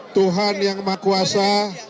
tuhan yang maha kuasa